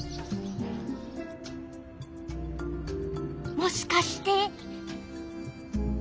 もしかして？